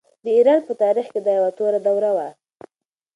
د ایران په تاریخ کې دا یوه توره دوره وه.